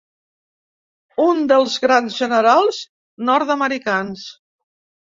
Un dels grans generals nord-americans.